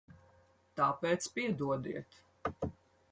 Tāpēc piedodiet.